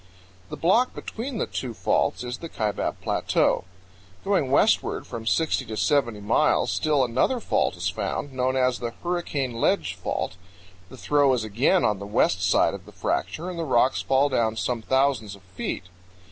The block between the two faults is the Kaibab Plateau. Going westward from 60 to 70 miles, still another fault is found, known as the Hurricane Ledge Fault. The throw is again on the west side of the fracture and the rocks fall down some thousands of feet.